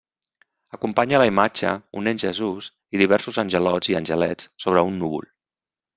Acompanya la imatge un Nen Jesús i diversos angelots i angelets sobre un núvol.